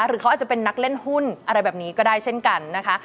หรือเขาอาจจะเป็นนักเล่นหุ้นอะไรแบบนี้ก็ได้เช่นกันนะคะ